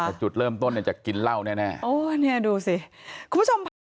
แต่จุดเริ่มต้นเนี่ยจะกินเหล้าแน่แน่โอ้เนี่ยดูสิคุณผู้ชมพา